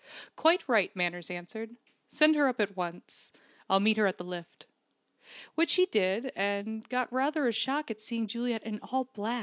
"Quite right," Manners answered. "Send her up at once. I'll meet her at the lift." Which he did, and got rather a shock at seeing Juliet all in black even a black veil.